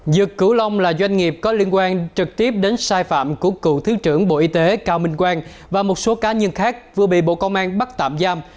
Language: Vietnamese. dược cửu long là doanh nghiệp có liên quan trực tiếp đến sai phạm của cựu thứ trưởng bộ y tế cao minh quang và một số cá nhân khác vừa bị bộ công an bắt tạm giam